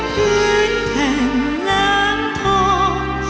พื้นแท่งแหลมทอง